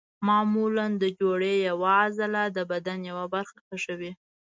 معمولا د جوړې یوه عضله د بدن یوه برخه کږوي.